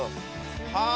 はあ！